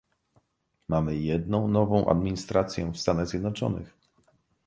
Mamy jedną nową administrację w Stanach Zjednoczonych